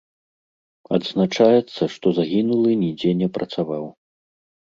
Адзначаецца, што загінулы нідзе не працаваў.